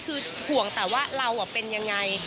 คือห่วงแต่ว่าเราเป็นยังไง